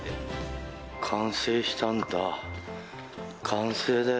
完成したんだ。